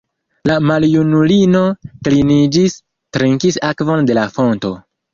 La maljunulino kliniĝis, trinkis akvon de la fonto.